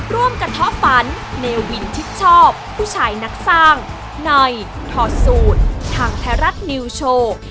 ร่วมกระท้อฝันเนวินชิดชอบผู้ชายนักสร้างในถอดสูตรทางไทยรัฐนิวโชว์